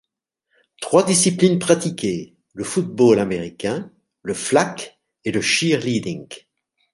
Trois disciplines pratiquées: le football américain, le flag et le cheerleading.